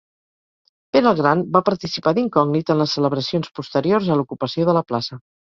Pere el Gran va participar d'incògnit en les celebracions posteriors a l'ocupació de la plaça.